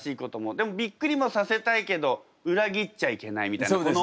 でもびっくりもさせたいけど裏切っちゃいけないみたいなこの。